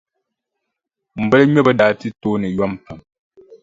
M boliŋmɛbo daa ti tooni yom pam.